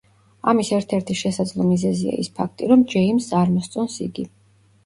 ამის ერთ-ერთი შესაძლო მიზეზია ის ფაქტი, რომ ჯეიმზს არ მოსწონს იგი.